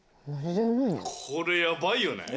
これヤバいよね！